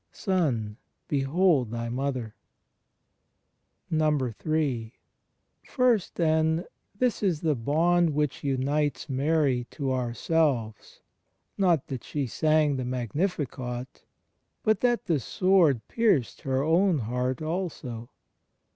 Son, behold thy Mother!" III. (i) First, then, this is the bond which unites Mary to ourselves — not that she sang the Magnificat, but that the sword pierced her own heart also.